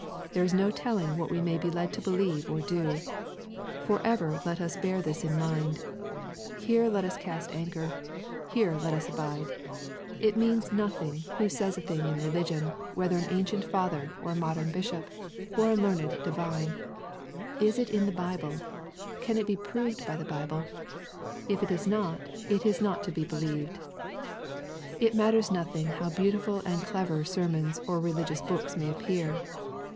There is no telling what we may be led to believe or do. Forever let us bear this in mind. Here let us cast anchcr. Here let us abide. It matteis nothing who y 372 EXPOSITORY THOUGHTS. says a thing in religion^ whether an ancient father, or a modem Bishop, or a learned divine. Is it iii4he Bible ? Can it be proved by the Bible ? If not^it is not to be believed. It matters nothing how beautiful and clever sermons or religious books may appear.